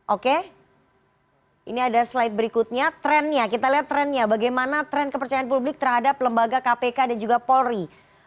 oke ini ada slide berikutnya trennya kita lihat trendnya bagaimana tren kepercayaan publik terhadap lembaga kpk dan juga polri